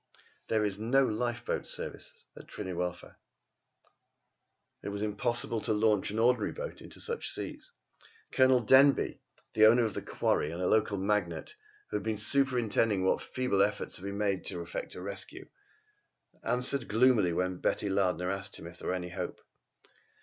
There is no lifeboat service at Tryn yr Wylfa. It was impossible to launch an ordinary boat in such a sea. Colonel Denbigh, the owner of the quarry and local magnate, who had been superintending what feeble efforts had been made to effect a rescue, answered gloomily when Betty Lardner asked him if there were any hope.